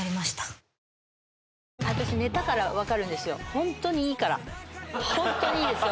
ホントにいいからホントにいいですよ